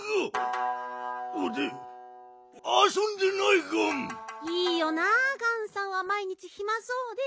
いいよなガンさんはまい日ひまそうで。